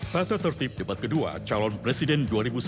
tata tertib debat kedua calon presiden dua ribu sembilan belas